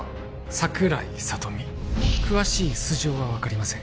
櫻井里美詳しい素性は分かりません